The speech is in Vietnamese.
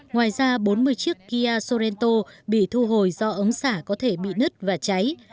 ngoài ra bốn mươi chiếc kia sorento bị thu hồi do ống xả có thể bị nứt và cháy